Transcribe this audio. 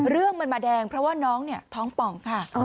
เรื่องมันมาแดงเพราะว่าน้องเนี่ยท้องป่องค่ะ